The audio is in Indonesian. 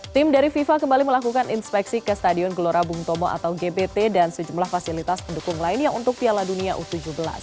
tim dari fifa kembali melakukan inspeksi ke stadion gelora bung tomo atau gbt dan sejumlah fasilitas pendukung lainnya untuk piala dunia u tujuh belas